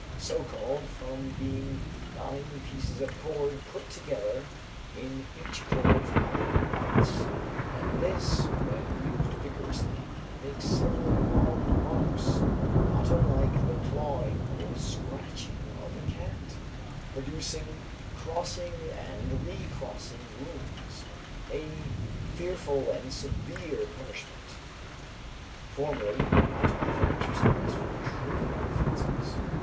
_ So called from being nine pieces of cord put together, in each cord nine knots; and this, when used vigorously, makes several long marks not unlike the clawing or scratching of a cat, producing crossing and re crossing wounds; a fearful and severe punishment, formerly too often exercised for trivial offences.